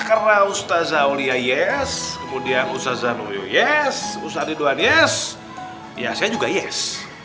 karena ustazah uliya yes kemudian ustazah nurul yes ustazah ridwan yes ya saya juga yes